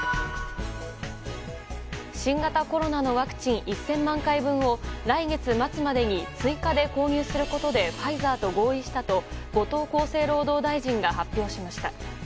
新型コロナのワクチン１０００万回分を来月末までに追加で購入することでファイザーと合意したと後藤厚生労働大臣が発表しました。